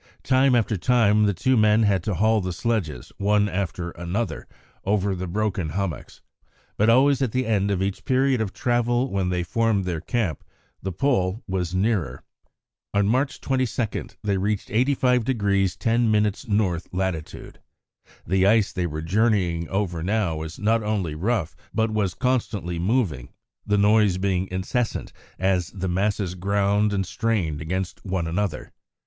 Time after time the two men had to haul the sledges, one after another, over the broken hummocks; but always at the end of each period of travel when they formed their camp, the Pole was nearer. On March 22 they reached 85° 10' N. lat. The ice they were journeying over now was not only rough but was constantly moving, the noise being incessant as the masses ground and strained against one another.